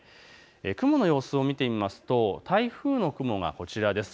雲の様子を見てみますと、台風の雲がこちらです。